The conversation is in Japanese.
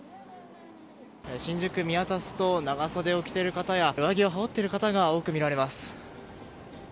新宿を見渡すと長袖を着ている方や上着を羽織っている方が多く見られます。